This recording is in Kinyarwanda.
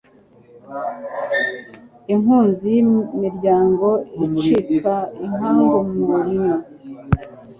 Inkunzi y’imiryango icika inkangu mu nnyo